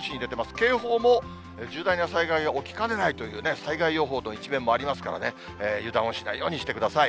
警報も重大な災害が起きかねないという、災害予報の一面もありますからね、油断をしないようにしてください。